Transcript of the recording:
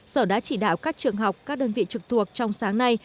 sở đã chỉ đạo các trường học các đơn vị trực thuộc trong sáng nay